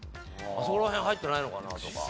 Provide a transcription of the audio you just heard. あそこら辺入ってないのかなとか。